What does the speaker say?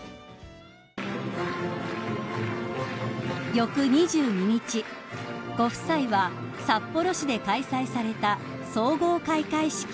［翌２２日ご夫妻は札幌市で開催された総合開会式へ］